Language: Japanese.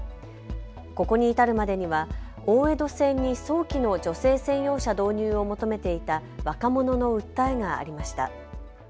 ここに至るまでには大江戸線に早期の女性専用車導入を求めていた若者の訴えがありました。